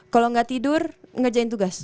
kalau nggak tidur ngerjain tugas